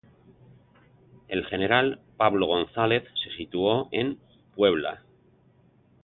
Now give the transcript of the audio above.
El general Pablo González se situó en Puebla.